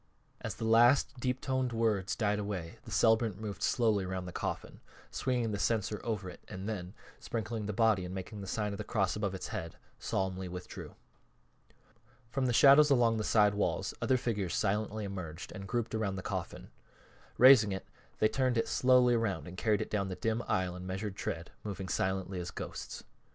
As the last deep toned words died away the celebrant moved slowly around the coffin, swinging the censer over it and then, sprinkling the body and making the sign of the cross above its head, solemnly withdrew. From the shadows along the side walls other figures silently emerged and grouped around the coffin. Raising it they turned it slowly around and carried it down the dim aisle in measured tread, moving silently as ghosts.